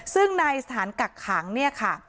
ซึ่งในสถานกักขังเนี่ยค่ะ